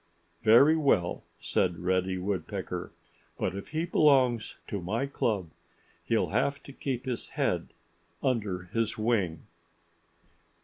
"Very well!" said Reddy Woodpecker. "But if he belongs to my club he'll have to keep his head under his wing."